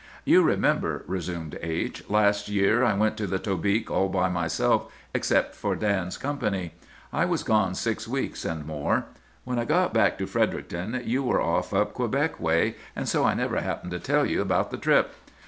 "'You remember,' resumed H——, 'last year I went to the Tobique all by myself, except for Dan's company. I was gone six weeks and more. When I got back to Fredericton you were off up Quebec way, and so I never happened to tell you about the trip.